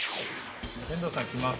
遠藤さん来ます。